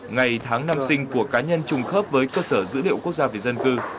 ngày tháng năm sinh của cá nhân trùng khớp với cơ sở dữ liệu quốc gia về dân cư